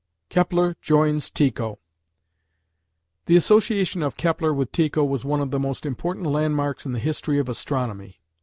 KEPLER JOINS TYCHO. The association of Kepler with Tycho was one of the most important landmarks in the history of astronomy.